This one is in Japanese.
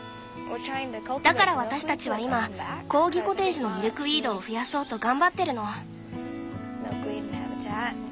だから私たちは今コーギコテージのミルクウィードを増やそうと頑張ってるの。